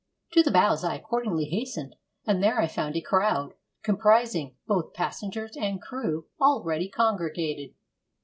To the bows I accordingly hastened, and there I found a crowd, comprising both passengers and crew, already congregated.